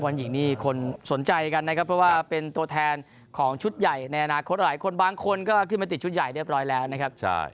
หญิงนี่คนสนใจกันนะครับเพราะว่าเป็นตัวแทนของชุดใหญ่ในอนาคตหลายคนบางคนก็ขึ้นมาติดชุดใหญ่เรียบร้อยแล้วนะครับ